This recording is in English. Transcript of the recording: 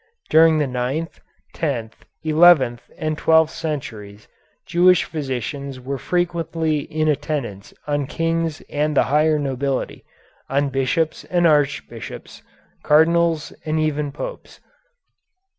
During the ninth, tenth, eleventh, and twelfth centuries Jewish physicians were frequently in attendance on kings and the higher nobility, on bishops and archbishops, cardinals, and even Popes.